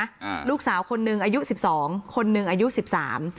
อ่าลูกสาวคนหนึ่งอายุสิบสองคนหนึ่งอายุสิบสาม